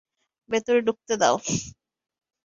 ভেতরে ঢুকতে দাও!